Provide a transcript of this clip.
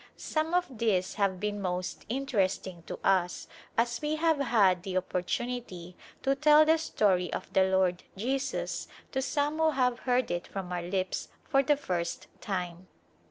Some of these have been most interesting to us as we have had the opportunity to tell the story of the Lord Jesus to some who have heard it from our lips for the first time.